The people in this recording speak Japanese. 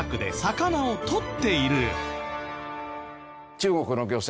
中国の漁船